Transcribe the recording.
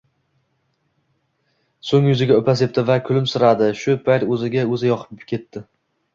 soʻng yuziga upa sepdi va kulimsiradi – shu payt oʻziga oʻzi yoqib ketdi.